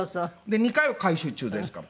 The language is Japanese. ２階は改修中ですから。